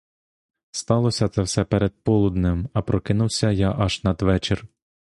Сталося це все перед полуднем, а прокинувся я аж надвечір.